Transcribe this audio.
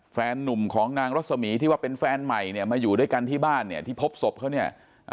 แฟนนุ่มของนางรัศมีที่ว่าเป็นแฟนใหม่เนี่ยมาอยู่ด้วยกันที่บ้านเนี่ยที่พบศพเขาเนี่ย